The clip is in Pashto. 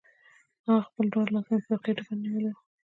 هغې خپل دواړه لاسونه پر خېټې باندې نيولي وو.